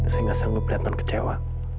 saya nggak sanggup liat non kecewa